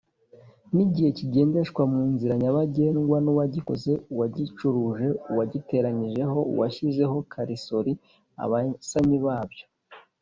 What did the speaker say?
nigihe kigendeshwa mu inzira nyabagendwa n’uwagikoze, uwagicuruje, uwa giteranije, uwashyizeho karisori abasannyi babyo